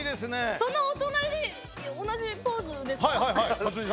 そのお隣同じポーズですか。